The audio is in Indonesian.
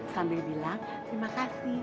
sambil bilang terima kasih